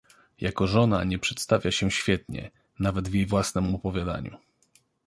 "Jako żona nie przedstawia się świetnie, nawet w jej własnem opowiadaniu."